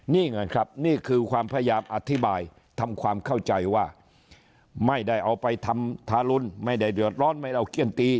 นี่ไงครับนี่คือความพยายามอธิบายทำความเข้าใจว่าไม่ได้เอาไปทำทารุณไม่ได้เดือดร้อนไม่เอาเขี้ยนตี